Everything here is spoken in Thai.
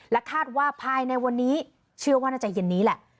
คาดว่าภายในวันนี้เชื่อว่าน่าจะเย็นนี้แหละ